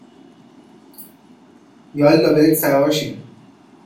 یالا برید سوار شید